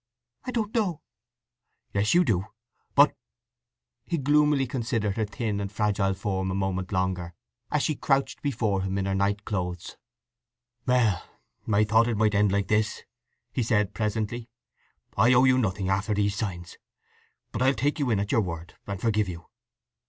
"I don't know!" "Yes you do! But …" He gloomily considered her thin and fragile form a moment longer as she crouched before him in her night clothes. "Well, I thought it might end like this," he said presently. "I owe you nothing, after these signs; but I'll take you in at your word, and forgive you."